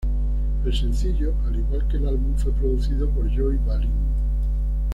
El sencillo, al igual que el álbum, fue producido por Joey Balin.